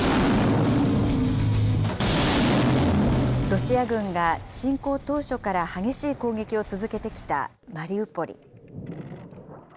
ロシア軍が侵攻当初から激しい攻撃を続けてきたマリウポリ。